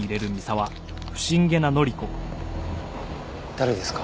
誰ですか？